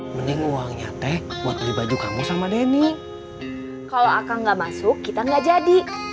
mending uangnya teh buat beli baju kamu sama denny kalau aka nggak masuk kita nggak jadi